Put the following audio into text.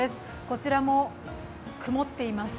こちらも、曇っています。